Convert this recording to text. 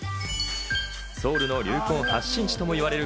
ソウルの流行発信地ともいわれる、